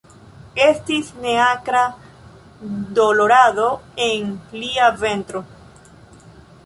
Estis neakra dolorado en lia ventro.